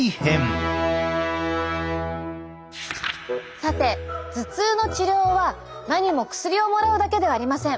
さて頭痛の治療はなにも薬をもらうだけではありません。